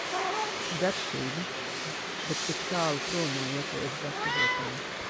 Garšīgi, bet tik tālu prom no iepriekš gatavotiem.